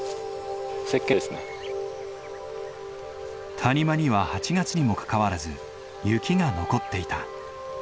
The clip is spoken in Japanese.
谷間には８月にもかかわらず雪が残っていた。